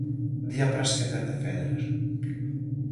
Día para esquecer de Féderer.